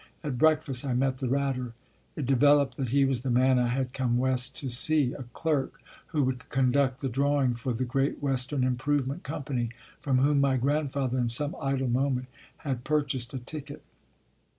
At breakfast I met the Ratter. It developed that he was the man I had come West to see, a clerk who would conduct the drawing for the Great Western Improvement Com pany, from whom my grandfather in some idle moment had purchased a ticket.